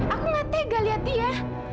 aku gak tega lihat dia